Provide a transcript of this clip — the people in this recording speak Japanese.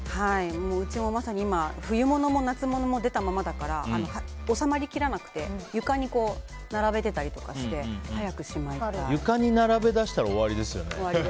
うちも、まさに今冬物も夏物も出たままだから収まりきらなくて床に並べてたりとかして床に並べだしたら終わりですよね。